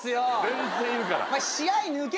全然いるから！